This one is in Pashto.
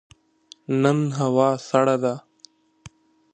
نن هوا سړه ده.